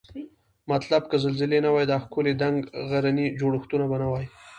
مطلب که زلزلې نه وای دا ښکلي دنګ غرني جوړښتونه به نوای